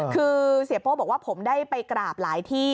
คือเสียโป้บอกว่าผมได้ไปกราบหลายที่